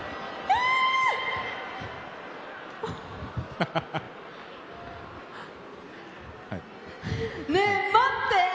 ハハハ！ねえ待って！